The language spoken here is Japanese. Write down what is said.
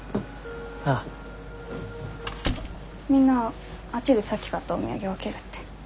みんなあっちでさっき買ったお土産分けるって。